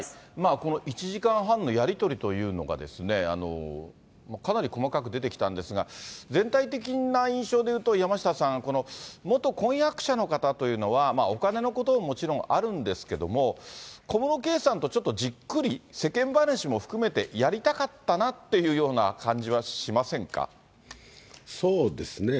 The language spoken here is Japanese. この１時間半のやり取りというのが、かなり細かく出てきたんですが、全体的な印象でいうと、山下さん、元婚約者の方というのは、お金のことはもちろんあるんですけれども、小室圭さんとちょっとじっくり世間話も含めてやりたかったなってそうですね。